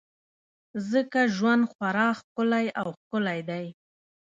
ځکه ژوند خورا ښکلی او ښکلی دی.